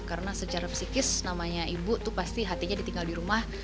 karena secara psikis namanya ibu tuh pasti hatinya ditinggal di rumah